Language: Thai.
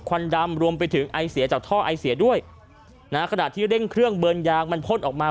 ควันดำรวมไปถึงไอเสียจากท่อไอเสียด้วยนะฮะขณะที่เร่งเครื่องเบิร์นยางมันพ่นออกมา